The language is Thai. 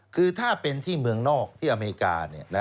คือถ้าเป็นที่เมืองนอกที่อเมริกา